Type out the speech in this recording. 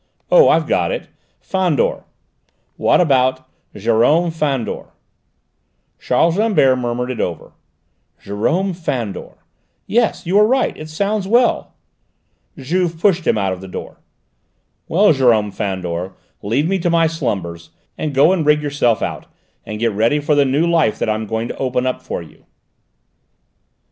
Oh, I've got it Fandor; what about Jérôme Fandor?" Charles Rambert murmured it over. "Jérôme Fandor! Yes, you are right, it sounds well." Juve pushed him out of the door. "Well, Jérôme Fandor, leave me to my slumbers, and go and rig yourself out, and get ready for the new life that I'm going to open up for you!"